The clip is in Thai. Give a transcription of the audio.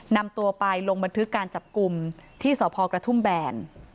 นำตัวไปลงบันทึกการจับกลุ่มที่สพกระทุ่มแบน